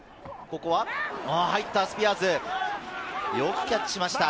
入ったスピアーズ、よくキャッチしました。